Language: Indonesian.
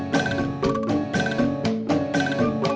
masih ada yang mau berbicara